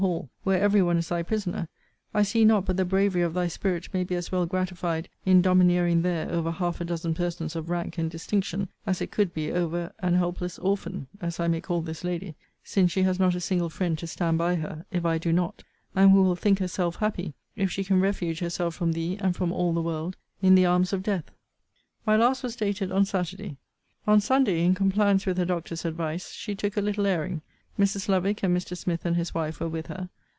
Hall, where every one is thy prisoner, I see not but the bravery of thy spirit may be as well gratified in domineering there over half a dozen persons of rank and distinction, as it could be over an helpless orphan, as I may call this lady, since she has not a single friend to stand by her, if I do not; and who will think herself happy, if she can refuge herself from thee, and from all the world, in the arms of death. My last was dated on Saturday. On Sunday, in compliance with her doctor's advice, she took a little airing. Mrs. Lovick, and Mr. Smith and his wife, were with her.